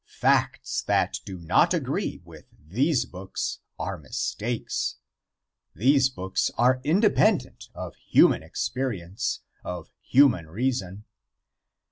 Facts that do not agree with these books are mistakes. These books are independent of human experience, of human reason.